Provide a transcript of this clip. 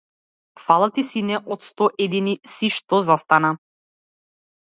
Фала ти, сине, од сто едини си што застана.